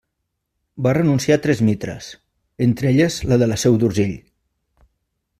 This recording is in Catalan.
Va renunciar a tres mitres, entre elles la de la Seu d'Urgell.